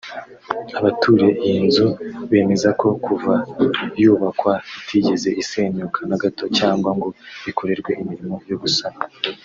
Abaturiye iyi nzu bemeza ko kuva yubakwa itigeze isenyuka na gato cyangwa ngo ikorerwe imirimo yo gusana